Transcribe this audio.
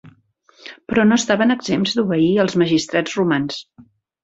Però no estaven exempts d'obeir als magistrats romans.